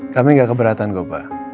kami gak keberatan kok pak